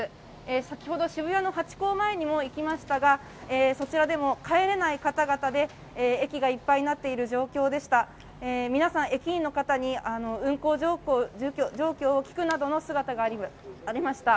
先ほど渋谷のハチ公前にも行きましたがそちらでも帰れない方々で駅がいっぱいになっている状況でした皆さん駅員の方に運行状況を聞くなどの姿があります。